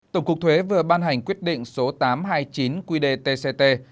tổng cục thuế vừa ban hành quyết định số tám trăm hai mươi chín qdtct về quy trình bán lẻ cấp lẻ hóa đơn